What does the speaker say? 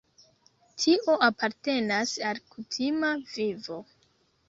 Tio apartenas al kutima vivo.